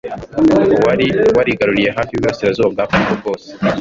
wari warigaruriye hafi Uburasirazuba bwa Congo bwose